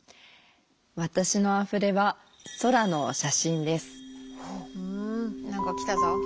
私の「あふれ」は何か来たぞ。